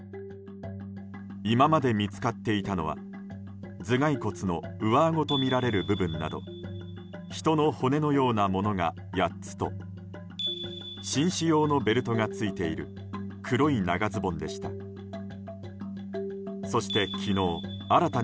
今まで見つかっていたのは頭蓋骨の上あごとみられる部分など人の骨のようなものが８つと紳士用のベルトがついている黒い長ズボンでした。